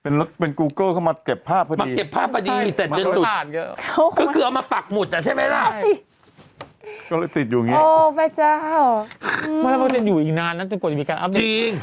นั่นก็จะมีการอัปเดตแบบไว้นะครับจริง